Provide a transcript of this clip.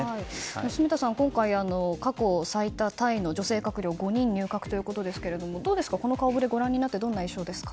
住田さん、今回過去最多タイの女性閣僚５人が入閣ですが、この顔触れをご覧になって、どんな印象ですか？